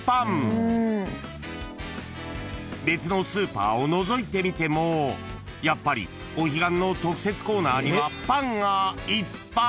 ［別のスーパーをのぞいてみてもやっぱりお彼岸の特設コーナーにはパンがいっぱい！］